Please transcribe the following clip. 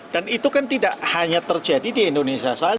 dan itu kan tidak hanya terjadi di indonesia saja